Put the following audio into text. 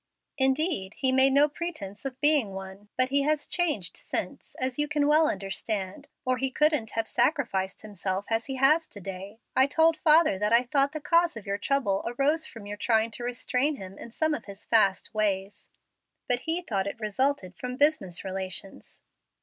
Indeed, he made no pretence of being one; but he has changed since, as yon can well understand, or he couldn't have sacrificed himself as he has to day. I told father that I thought the cause of your trouble arose from your trying to restrain him in some of his fast ways, but he thought it resulted from business relations."